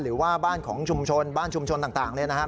หรือว่าบ้านของชุมชนบ้านชุมชนต่างเนี่ยนะครับ